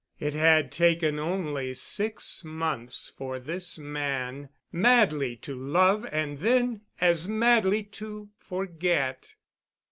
It had taken only six months for this man madly to love and then as madly to forget.